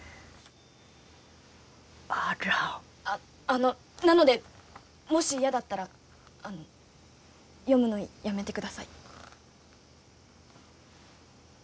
あのなのでもし嫌だったらあの読むのやめてください。